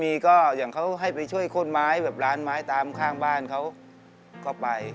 มีก็อย่างเขาให้ไปช่วยโค้นไม้แบบร้านไม้ตามข้างบ้านเขาก็ไป